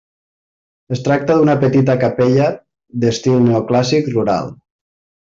Es tracta d'una petita capella d'estil neoclàssic rural.